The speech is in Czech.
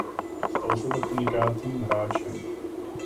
Stal se tak unikátním hráčem.